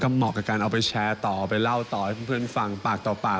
เหมาะกับการเอาไปแชร์ต่อไปเล่าต่อให้เพื่อนฟังปากต่อปาก